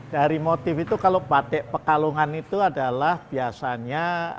dari motif itu kalau batik pekalongan itu adalah biasanya